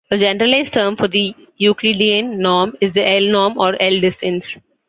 A generalized term for the Euclidean norm is the L norm or L distance.